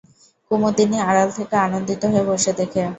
কুমুদিনী আড়াল থেকে আনন্দিত হয়ে বসে দেখে।